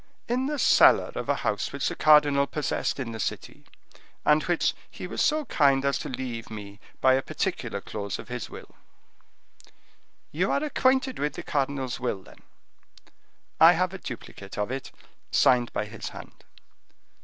"In the cellar of a house which the cardinal possessed in the city, and which he was so kind as to leave me by a particular clause of his will." "You are acquainted with the cardinal's will, then?" "I have a duplicate of it, signed by his hand."